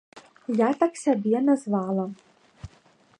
Я так сябе назвала.